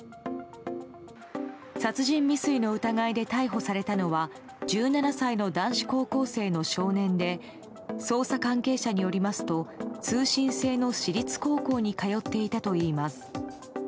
殺人未遂の疑いで逮捕されたのは１７歳の男子高校生の少年で捜査関係者によりますと通信制の私立高校に通っていたといいます。